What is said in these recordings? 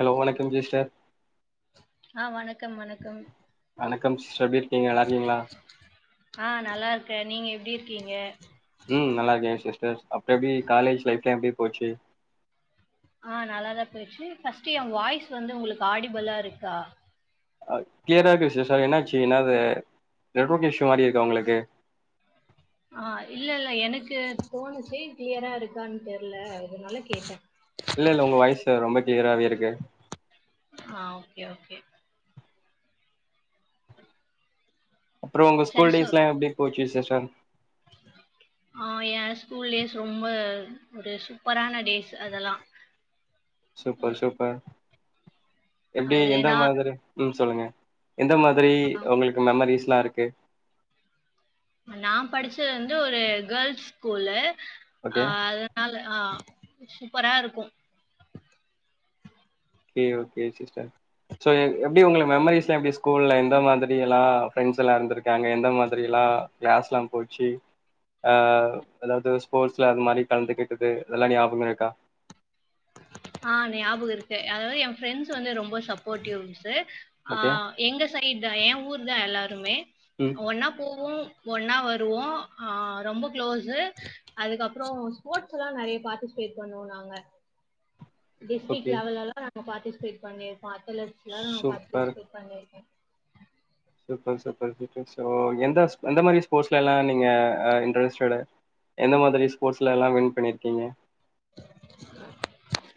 Hello வணக்கம் ஜீஸ்டர் ஆ வணக்கம் வணக்கம் வணக்கம் சிஸ்டர் எப்டிருக்கிங்க நல்லாருக்கிங்ளா ஆ நல்லாருக்க நீங்க எப்டி இருக்கிங்க ம் நல்லாருக்கே சிஸ்டர் அப்றோ எப்டி காலேஜ் லைஃப்லா எப்டி போச்சு ஆ நல்லாத தா போய்ட்ச்சு ஃபஸ்ட்டு எ வாய்ஸ் வந்து உங்குளுக்கு ஆடிபளாருக்கா க்ளியரா பேசுங்க சாரி என்னாச்சு என்னாவு நெட்வொர்க் இஷ்யூ மாரி இருக்கா உங்குளுக்கு ஆ இல்ல இல்ல எனக்கு தோணுச்சு க்ளியரா இருக்கான் தெர்ல அதனால கேட்டே இல்ல இல்ல உங்க வாய்ஸு ரொம்ப க்ளியராவே இருக்கு ஆ ஓக்கே ஓக்கே அப்றோ உங்க சரி ஸ்கூல் சொ டேஸ்லா எப்டி போச்சு சிஸ்டர் ஆ ஏ ஸ்கூல் டேஸ் ரொம்ப ஒரு சூப்பரான டேஸ் அதெல்லா சூப்பர் சூப்பர் எப்டி அது எந்த நா மாதிரி ம் சொல்லுங்க எந்த மாதிரி உங்களுக்கு மெமரீஸ்லா இருக்கு நா படிச்சது வந்து ஒரு கேர்ள்ஸ் ஸ்கூலு ஆ ஓகே அத னால ஆ சூப்பரா இருக்கு கே ஓகே சிஸ்டர் சேரி எப்டி உங்களுக்கு மெமரீஸ்லா எப்டி ஸ்கூல்ல எந்த மாதிரியெல்லா ஃப்ரெண்ட்ஸ் எல்லா இருந்திருக்காங்க எந்த மாதிரியெல்லா யாஸ்லா போச்சு ஆ அதாவ்து ஸ்போர்ட்ஸ்ல அது மாரி கலந்துக்கிட்டது இதெல்லா ஞாபக இருக்கா ஆ ஞாபக இருக்கு அதாவ்து எ ஃப்ரெண்ட்ஸ் வந்து ரொம்போ சப்போட்டிவ்ங் சார் ஆ ஓகே எங்க சைட் தா ஏ ஊர் தா எல்லாருமே ம் ஒன்னா போவோ ஒன்னா வருவோ ஆ ரொம்ப க்ளோஸு அதுக்கப்றோ ஸ்போர்ட்ஸ் எல்லா நெறய பார்ட்டிஸ்பேட் பண்ணுவோ நாங்க டிஸ்ட்ரிக் ஓகே லெவெல்லலா நாங்க பார்டிஸ்பேட் பண்ணிர்கோ அத்தலெட்ஸ்லா சூப்பர் பார்டிஸ்பேட் பண்ணிருக்கோ சூப்பர் சூப்பர் சூப்பர் ஸோ எந்தஸ் எந்த மாரி ஸ்போர்ட்ஸ்லல்லா நீங்க இன்ட்ரெஸ்டடு எந்த மாதிரி ஸ்போர்ட்ஸ்லலா வின் பண்ணிர்க்கிங்க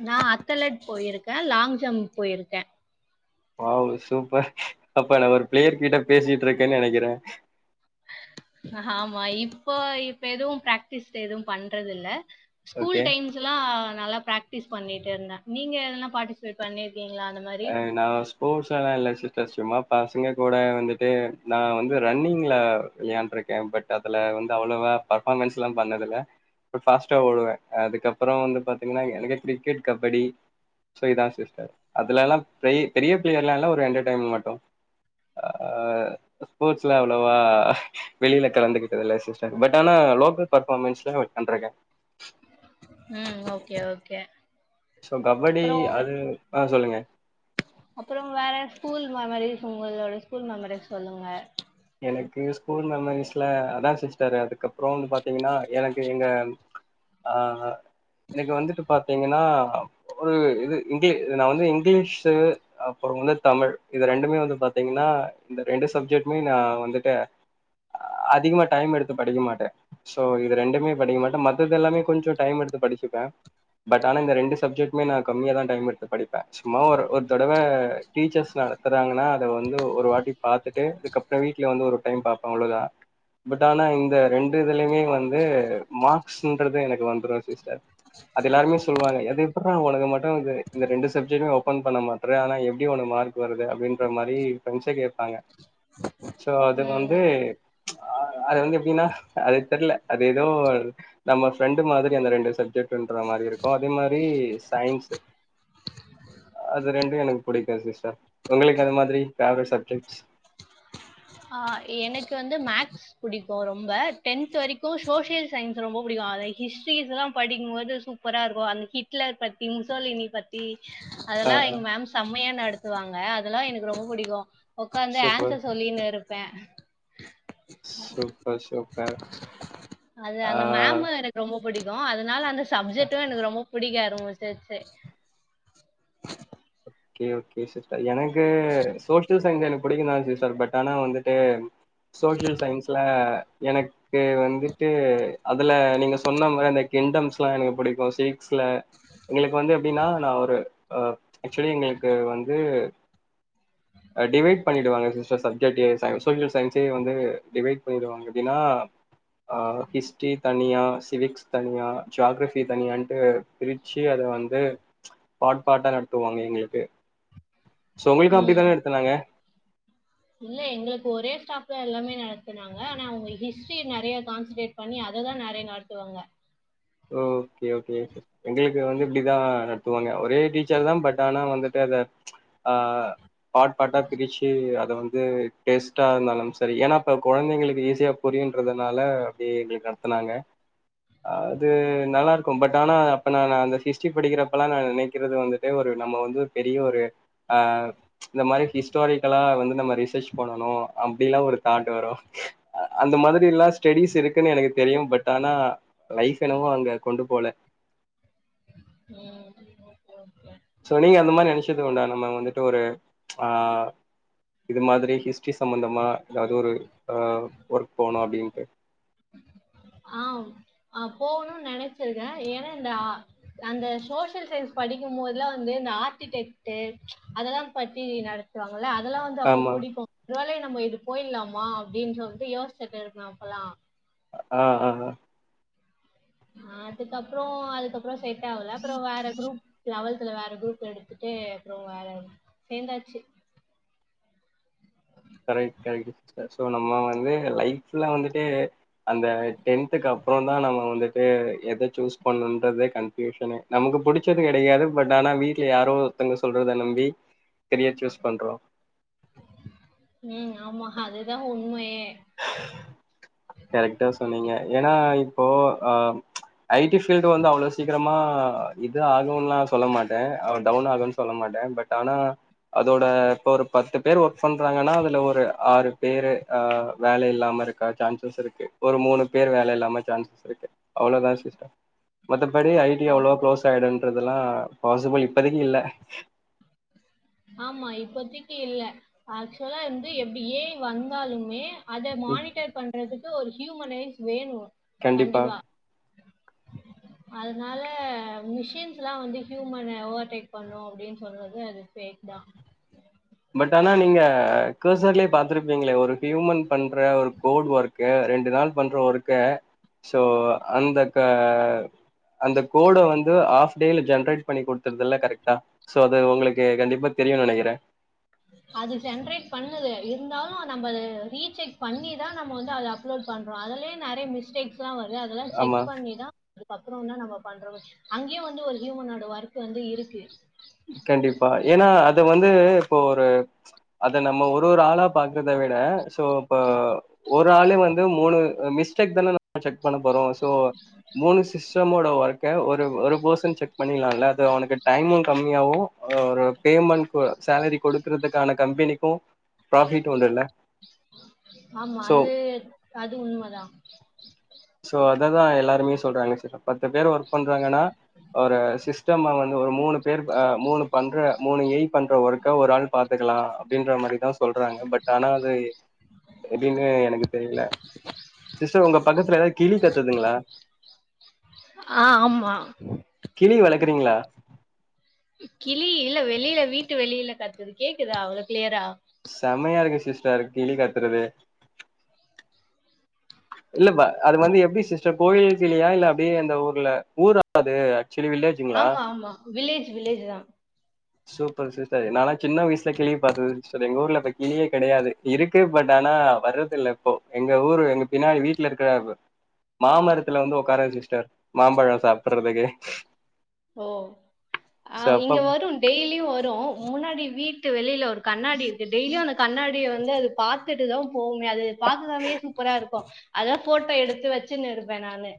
நா அத்தலட் போயிருக்கே லாங் ஜம்ப் போயிருக்கே வாவ் சூப்பர் அப்ப நா ஒரு பிளேயர் கிட்ட பேசிட்ருக்கேன் நெனைக்கிறே அ ஆமா இப்போ இப்ப எதுவு பிராக்டிஸ்ல எதுவு பண்றதில்ல ஸ்கூல் ஓகே டைம் லலா நல்லா பிராக்டிஸ் பண்ணிட்டு இருந்தே நீங்க எதெல்லா பார்டிசிபேட் பண்ணிரு ருக்கீங்ளா அந்த மார் ஆ நாங்க ஸ் ஸ்போர்ட்ஸ்லலா இல்ல சிஸ்டர் சும்மா பசங்க கூட வந்துட்டு நா வந்து ரன்னிங்ல விளையாண்ட்ருக்கே பட் அதுல வந்து அவ்ளவா பர்ஃபாமன்ஸ்லா பண்ணதில்ல ம் ஃபாஸ்ட்டா ஓடுவே அதுக்கப்பற வந்து பாத்தீங்கனா எனக்கு கிரிக்கெட் கபடி சோ இதா சிஸ்டர் அதுலலா ப்ளை பெரிய பிளேயர்லா இல்ல ஒரு என்டர்டெய்மென் மட்டு ஆ ஸ்போர்ட்ஸ்ல அவ்ளவா வெளில கலந்துக்கிட்டதில்ல சிஸ்டர் பட் ஆனா லோக்கல் பெர்ஃபாமன்ஸ்லயு விளாண்ட்ருக்கே ம் ஓகே ஓகே சோ கபடி அப்புறம் அது ஆ சொல்லுங்க அப்பறோ வேற ஸ்கூல் மெமரீஸ் உங்களோட ஸ்கூல் மெமரிஸ் சொல்லுங்க எனக்கு ஸ்கூல் மெமரீஸ்ல அதா சிஸ்டர் அதுக்கப்றோ வந்து பாத்தீங்கனா எனக்கு எங்க ஆ எனக்கு வந்துட்டு பாத்தீங்கனா ஒரு இது இங்கிலி நா வந்து இங்கிலீஷு அப்பற வந்து தமிழ் இது ரெண்டுமே வந்து பாத்தீங்கனா இந்த ரெண்டு சப்ஜெக்டுமே நா வந்துட்டு அதிகமா டைம் எடுத்து படிக்க மாட்டே சோ இது ரெண்டுமே படிக்க மாட்டே மத்ததெல்லாமே கொஞ்ச டைம் எடுத்து படிச்சுப்பே பட் ஆனா இந்த ரெண்டு சப்ஜெக்டுமே நா கம்மியா தா டைம் எடுத்து படிப்பே சும்மா ஒரு ஒரு தடவ டீச்சர்ஸ் நடத்துறாங்கனா அத வந்து ஒரு வாட்டி பாத்துட்டு அதுக்கப் ப்ற வீட்ல வந்து ஒரு டைம் பாப்பே அவ்ளோதா பட் ஆனா இந்த ரெண்டு இதுலயுமே வந்து மார்க்ஸுன்றது எனக்கு வந்துரு சிஸ்டர் அது எல்லாருமே சொல்லுவாங்க அது எப்புட்றா ஒனக்கு மட்டு இது இந்த ரெண்டு சப்ஜெக்டுமே ஓப்பன் பண்ண மாட் ட்ற ஆனா எப்டி ஒனக்கு மார்க் வருது அப்டின்ற மாரி ஃப்ரெண்ட்ஸே கேப்பாங்க சோ அது வந்து ம் அ அது வந்து எப்டினா அது தெர்ல அது எதோ நம்ம ஃப்ரெண்டு மாதிரி அந்த ரெண்டு சப்ஜெக்ட்ன்ற மாதிரி இருக்கு அதே மாரி சயின்ஸு அது ரெண்டு எனக்கு பிடிக்கு சிஸ்டர் உங்களுக்கு அது மாதிரி பேவரட் சப்ஜெக்ட்ஸ் ஆ எனக்கு வந்து மேக்ஸ் பிடிக்கு ரொம்ப டென்த் வரைக்கு சோசியல் சயின்ஸ் ரொம்ப பிடிக்கு அத ஹிஸ்ட்ரிஸ்ல்லா படிக்கும் போது சூப்பரா இருக்கு அந்த ஹிட்லர் பத்தி முசோலினி பத் தி ஆ அதெல்லா ஆ எங்க மேம் செம்மையா நடத்துவாங்க அதெல்லா எனக்கு ரொம்ப பிடிக்கு ஒக்காந்து சூப்பர் ஆன்சர் சொல்லின்னு இருப்பே சூப்பர் சூப்பர் அது ஆ அந்த மேமு எனக் ரொம்ப புடிக்கு அதுனால அந்த சப்ஜெக்டு எனக்கு ரொம்ப பிடிக்க ஆம்பிச்சிருச்சி ஓகே ஓகே சிஸ்டர் எனக்கு சோசியல் சயின்ஸ் எனக்கு பிடிக்குந்தா சிஸ்டர் பட் ஆனா வந்துட்டு சோசியல் சயின்ஸ்ல எனக்கு வந்து க்கு அதுல நீங்க சொன்ன மாரி அந்த கிங்டம்ஸ்ல்லா எனக்கு பிடிக்கு சிவிக்ஸ்ல எங்களுக்கு வந்து எப்டின்னா நா ஒரு அ ஆக்சுவலி எங்களுக்கு வந்து டிவைட் பண்ணிடுவாங்க சிஸ்டர் சப்ஜெக்ட்டே சோசியல் சயின்ஸே வந்து டிவைட் பண்ணிடுவாங்க எப்டின்னா ஆ ஹிஸ்ட்ரி தனியா சிவிக்ஸ் தனியா ஜாக்ரஃபி தனியான்ட்டு பிரிச்சு அது வந்து பாட் பாட்டா நடத் த்துவாங்க எங்களுக்கு சோ உங்களுக்கு ம் அப்டித்தான நடத்துனாங்க இல்ல எங்களுக்கு ஒரே ஸ்டாப்தா எல்லாமே நடத்துனாங்க ஆனா அவுங்க ஹிஸ்ட்ரி நெறைய கான்சன்ட்ரேட் பண்ணி அததா நெறையா நடத்துவாங்க ஓகே ஓகே ஓகே எங்களுக்கு வந்து இப்டிதா நடத்துவாங்க ஒரே டீச்சர் தா பட் ஆனா வந்துட்டு அத ஆ பாட் பாட்டா பிரிச்சி அத வந்து டேஸ்ட்டா இருந்தாலும் சரி ஏன்னா இப்ப கொழந்தைங்களுக்கு ஈஸியா புரியுன்றதுனால அப்டியே எங்களுக்கு நடத்துனாங்க அது நல்லாருக்கு பட் ஆனா அப்ப நானு அந்த ஹிஸ்ட்ரி படிக்கிறப்பெல்லா நா நெனைக்கிறது வந்துட்டு ஒரு நம்ம வந்து பெரிய ஒரு ஆ இந்த மாதிரி ஹிஸ்டாரிக்கலா வந்து நம்ம ரிசர்ச் பண்ணணு அப்டில்லா ஒரு தாட் வரு அந்த மாதிரில்லா ஸ்டடிஸ் இருக்குன்னு எனக்கு தெரியு பட் ஆனா லைஃப் என்னவோ அங்க கொண்டு போல ம் நோ ப்ராப்ளம் சோ நீங்க அந்த மாரி நெனைச்சிகினுண்டா நம்ம வந்துட்டு ஒரு ஆ இது மாதிரி ஹிஸ்ட்ரி சம்மந்தமா ஏதாவது ஒரு அ ஒர்க் போனு அப்டின்ட்டு ஆ ஆ போணுன் நெனைச்சிருந்தே ஏன்னா இந்த ஆ அந்த சோசியல் சயின்ஸ் படிக்கும் போதுல்லா வந்து இந்த ஆர்க்டிடெக்ட் அதெல்லா பத்தி நடத் துவாங்கல்ல அதெல்லா வந்து அப்ப ஆமா. புடிக்கு ஒரு வேளை நம்ம இது போயிட்லாமா அப்டினு வந்துட்டு யோசிச்சிட் இருப்பே அப்பல்லா ஆ ஆ அதுக்கப்றோ அதுக்கப்றோ செட் ஆவல அப்றோ வேற குரூப் லெவல்த்துல வேற குரூப் எடுத்துட்டு அப்றோ வேற சேந்தாச்சு கரெக்ட் கரெக்ட் ஸோ நம்ம வந்து லைஃப்ல வந்துட்டு அந்த டென்த்துக்கு அப் பறோந்தா நம்ம வந்துட்டு எத சூஸ் பண்ணன்றதே கன்ப்யூஷனே நமக்கு பிடிச்சது கெடைக்காது பட் ஆனா வீட் ல யாரோ ஒருத்தங்க சொல்றத நம்பி கெரியர் சூஸ் பண்றோ ம் ஆமா அதுதா உண்மையே கரெக்டா சொன்னீங்க ஏன்னா இப்போ ஆ ஐ டி ஃபீல்டு வந்து அவ்ளோ சீக்கிரமா இது ஆகுன்லா நா சொல்ல மாட்டே டவுன் ஆகுன் சொல்ல மாட்டே பட் ஆனா அதோட பொறுப் பத்து பேர் ஒர்க் பண்றாங்கன்னா அதுல ஒரு ஆறு பேரு அ வேலை இல்லாம இருக்கா சான்சஸ் இருக்கு ஒரு மூணு பேர் வேலை இல்லாம சான்சஸ் இருக்கு அவ்ளோதான் சிஸ்டம் மத்தபடி ஐடி ஆ அவ்ளவா க்ளோஸ் ஆயிடன்றதுெல்லாம் பாசிபிள் இப்பதைக்கு இல்ல ஆமா இப்பத்திக்கு இல்ல ஆக்சுவலா வந்து எப்பிடி ஏ ஐ வந்தாலுமே அத ம். மானிட்டர் பண்றதுக்கு ஒரு ஹியூமன் ரைஸ் வேணும் கண்டிப்பா ஆ ஹா அதனால மிஷின்ஸ் எல்லாம் வந்து ஹியூமன ஓவர்டேக் பண்ணும் அப்பிடின்னு சொல்றது ஃபேக் தா பட் ஆனா நீங்க ஒரு கர்ஸர்லயே பார்த்திருப்பீங்க மே ஒரு ஹியூமன் பண்ற ஒரு கோட் வர்ட் கே ரெண்டு நாள் பண்ற ஒர்க்க சோ அந்த க அந்த கோட வந்து ஃஆப் டெய்லி ஜென்ரேட் பண்ணி குடுத்துறதல்ல கரெக்டா ஸோ அது உங்களுக்கு கண்டிப்பா தெரியும் நனைக்கிறே அது ஜென்ரேட் பண்ணல இருந்தாலும் நம்ம அத ரீசெக் பண்ணிதான் நம்ப வந்து அத அப்லோட் பண்றோம் அதுலயே நறைய மிஸ்டேக்ஸ் எல்லாம் வரும் அதெல்லாம் ஆமா செக் பண்ணிதான் அதுக்கப்புறம் தா நம்ப பண்றோம் அங்கேயே வந்து ஒரு ஹியூமனோட ஒர்க் வந்து இருக்கு கண்டிப்பா ஏன்னா அது வந்து இப்போ ஒரு அத நம்ம ஒரு ஒரு ஆளா பாக்குறத விட சோ இப்ப ஒரு ஆளு வந்து மூணு மிஸ்டேக் தான செக் பண்ண போறோம் சோ மூணு சிஸ்டமோட ஒர்க் ஒரு ஒரு பர்சன் செக் பண்ணிலால்ல அது அவனுக்கு டைமும் கம்மியாவும் ஆ ஒரு பேமெண்ட் சேலரி கொடுக்கறதுக்கான கம்பெனிக்கும் ப்ராஃபிட் உண்டு இல்ல ஆமா அது அது உண்ம தா சோ அததான் எல்லாருமே சொல்றாங்க சரி பத்து பேர் ஒர்க் பண்றாங்கன்னா ஒரு சிஸ்டமா வந்து ஒரு மூணு பேர் அ மூணு பண்ற மூணு ஏயி பண்ற ஒர்க்க ஒரு ஆள் பாத்துக்கலாம் அப்பிடின்ற மாரிதான் சொல்றாங்க பட் ஆனா அது எதுவுமே எனக்கு தெரியல சிஸ்டர் உங்க பக்கத்துல ஏதாவது கிளி கத்துதுங்களா ஆ ஆமா கிளி வளக்குறீங்களா கிளி இல்ல வெளியில வீட்டு வெளியில கத்துது கேக்குதா அவ்ளோ கிளியரா செமையா இருக்கு சிஸ்டர் கிளி கத்துறது இல்லப்பா அது வந்து எப்பிடி சிஸ்டர் கோயில் கிலியா இல்ல அப்பிடியே அந்த ஊர்ல ஊர் அது ஆக்சுவலி வில்லேஜ்ங்களா ஆமா ஆமா வில்லேஜ் வில்லேஜ் தான் சூப்பர் சிஸ்டர் என்னால சின்ன வயசுல கிளி பாத்தது சொன்னி எங்க ஊர்ல இப்ப கிளியே கெடையாது இருக்கு பட் ஆனா வர்றது இல்ல இப்போ எங்க ஊரு எங்க பின்னாடி வீட்ல இருக்கற மாமரத்துல வந்து ஒக்காரோ சிஸ்டர் மாம்பழம் சாப்பறதுக்கு சாப்பிடுறதுக்கு ஓ ஆ சோ அப்ப இங்க வரும் டெய்லியும் வரும் முன்னாடி வீட்டு வெளியில வரோ கண்ணாடி இருக்கு டெய்லியும் அந்த கண்ணாடிய வந்து அது பாத்துட்டுதான் போவுமே அது பாக்கறவே சூப்பரா இருக்கோ அதான் ஃபோட்டோ எடுத்து வச்சுனு இருப்பேன் நானு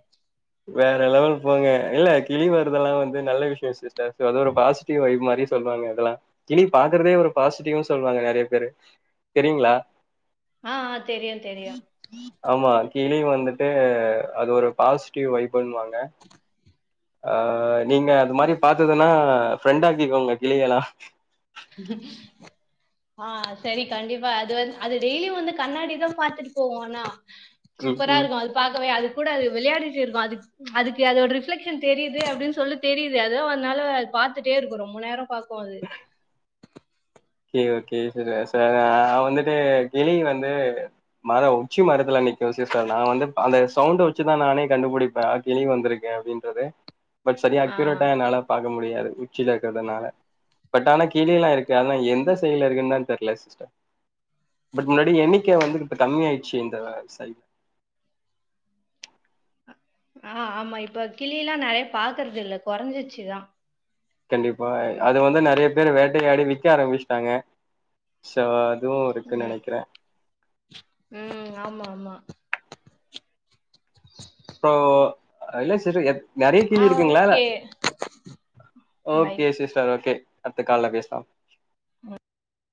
வேற லெவல் போங்க இல்ல கிளி வருதெல்லாம் வந்து நல்ல விஷயம் சிஸ்டர் அது ஒரு பாசிட்டிவ் வைப் மாரி சொல்றாங்க அதெல்லாம் கிளி பாக்குறதே ஒரு பாசிட்டிவ்னு சொல்றாங்க நறைய பேரு தெரியுங்களா அ அ தெரியும் தெரியும் ஆமா கிளி வந்துட்டு அது ஒரு பாசிட்டிவ் வைப்புண்வாங்க ஆ நீங்க அது மாரி பாத்துதுன்னா ஃப்ரெண்டாக்கிக்கோங்க கிளிகள [inaudible] ஆ செரி கண்டிப்பா அது வந் அது டெய்லியு வந்து கண்ணாடிதா பாத்துட்டு போகு ஆனா ம் சூப்பரா ம் இருக்கு அது பாக்கவே அது கூட அது விளையாடிட்டு இருக்கு அதுக் அதுக்கு அதோட ரிஃப்ளெக்ஷன் தெரிது அப்பன் சொல்லி தெரிது அதா அதனால பாத்துட்டே இருக்கு ரொம்ப நேர பாக்கு அது ஓகே ஓகே செரி சே நா வந்துட்டு கிளி வந்து மர உச்சி மரத்துல நிக்கு சிஸ்டர் நா வந்து அந்த சவுண்ட வெச்சுதா நானே கண்டுபிடிப்ப கிளி வந்திருக்கு அப்டின்றதே [inaudible] பட் சரியா அக்யூரட்டா ஆஹ் என்னால பாக்க முடியாது உச்சில இருக்கிறதுனால பட் ஆனா கிளியலா இருக்கு ஆனா எந் த சைடுல இருக்குன்தா தெர்ல சிஸ்டர் பட் முன்னாடி எண்ணிக்க வந்து இப்ப கம்மி ஆயிச்சு இந்த சைட் அ ஆமா இப்ப கிளி எல்லா நெறையா பாக்குறது இல்ல கொறைஞ்சிச்சுதா கண்டிப்பா அது வந்து நெறையா பேரு வேட்டையாடி விக்க ஆரம்பிச்சிட்டாங்க சோ அதுவு இருக்குன்னு நெனைக்கிற ம் ஆமா ஆமா [inaudible] அதல சேரி எப் நெறைய கிளி ஆஹ் இருக்குங்ளா இல்ல okay bye okay sister okay அடுத்த கால்ல பேசலாம் ம்